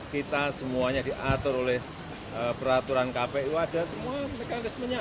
kita semuanya diatur oleh peraturan kpu ada semua mekanismenya